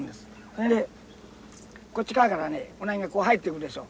それでこっち側からねウナギがこう入ってくるでしょ？